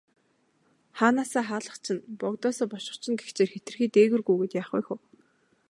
Хаанаасаа хаалгач нь, богдоосоо бошгоч нь гэгчээр хэтэрхий дээгүүр гүйгээд яах вэ хөө.